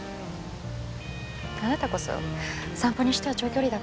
あなたこそ散歩にしては長距離だったんじゃない？